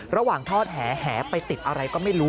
ระหว่างทอดแห่แห่ไปติดอะไรก็ไม่รู้